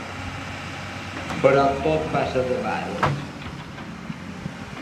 Però tot va ser endebades.